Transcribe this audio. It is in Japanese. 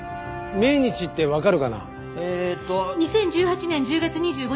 ２０１８年１０月２５日。